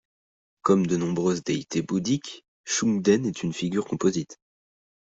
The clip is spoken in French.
Comme de nombreuses déités bouddhiques, Shougdèn est une figure composite.